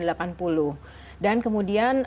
dan kemudian monkeypox ini mengapa menjadi kedaruratan global